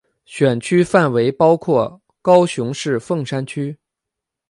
选区范围包括高雄市凤山区。